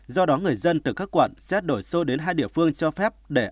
do đó người dân từ các quận sẽ đổi xô đến hai địa phương cho phép để ăn uống